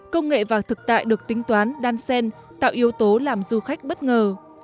công nghệ và thực tại được tính toán đan sen tạo yếu tố làm du khách bất ngờ